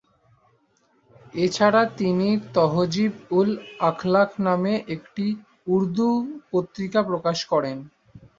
এছাড়া তিনি ‘তাহজিব-উল-আখলাক’ নামে একটি উর্দু পত্রিকা প্রকাশ করেন।